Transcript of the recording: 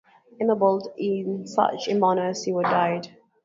Ennobled in such a manner, Siward died.